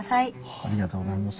ありがとうございます。